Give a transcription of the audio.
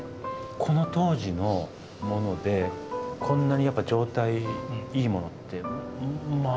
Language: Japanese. この当時のものでこんなにやっぱ状態いいものってまあないですか？